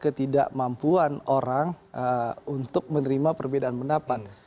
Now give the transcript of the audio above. ketidakmampuan orang untuk menerima perbedaan pendapat